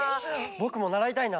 ぼくもならいたいな。